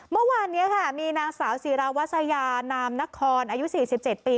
เมื่อวานนี้ค่ะมีนางสาวศิราวัสยานามนครอายุ๔๗ปี